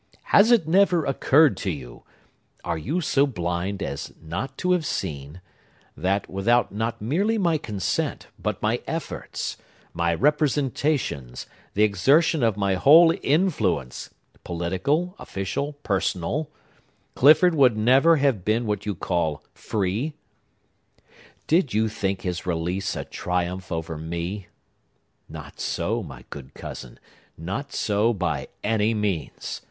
Has it never occurred to you,—are you so blind as not to have seen,—that, without not merely my consent, but my efforts, my representations, the exertion of my whole influence, political, official, personal, Clifford would never have been what you call free? Did you think his release a triumph over me? Not so, my good cousin; not so, by any means!